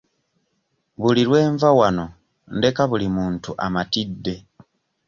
Buli lwe nva wano ndeka buli muntu amatidde.